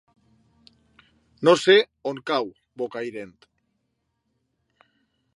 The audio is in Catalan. No sé on cau Bocairent.